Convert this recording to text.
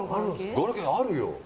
ガラケー、まだあるよ。